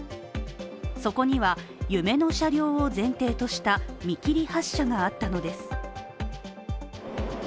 そこには夢の車両を前提とした見切り発車があったのです。